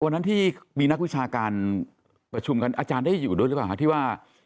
วันนั้นที่มีนักวิชาการประชุมกันอาจารย์ได้อยู่ด้วยหรือเปล่าคะที่ว่า